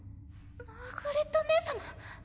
マーガレット姉様？